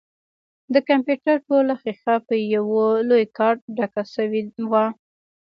د کمپيوټر ټوله ښيښه په يوه لوى کارت ډکه سوې وه.